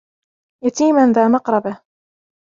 يَتِيمًا ذَا مَقْرَبَةٍ